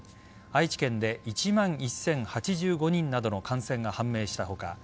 愛知県で１万１０８５人などの感染が判明した他